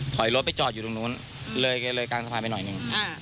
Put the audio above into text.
ถอยรถไปจอดอยู่ตรงนู้นเลยเลยกลางสะพานไปหน่อยหนึ่ง